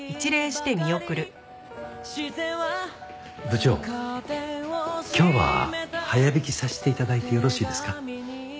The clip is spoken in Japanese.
部長今日は早引きさせて頂いてよろしいですか？